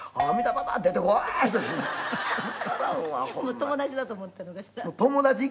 友達だと思ってるのかしら？